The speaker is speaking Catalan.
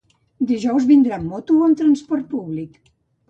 Dijous vindràs amb moto o amb transport públic?